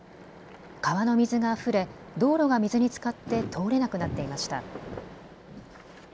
川の水があふれ道路が水につかって通れなくなっていました。